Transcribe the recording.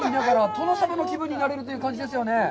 殿様の気分になれるという感じですよね。